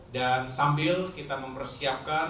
dan sambil kita mempersiapkan